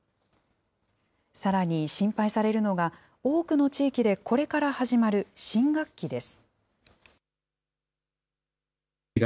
さらに心配されるのが、多くの地域でこれから始まる新学期です。